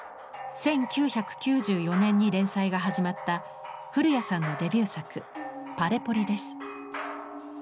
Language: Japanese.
１９９４年に連載が始まった古屋さんのデビュー作「Ｐａｌｅｐｏｌｉ」です。